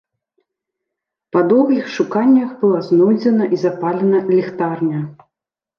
Па доўгіх шуканнях была знойдзена і запалена ліхтарня.